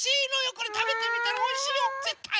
これたべてみたらおいしいよぜったい。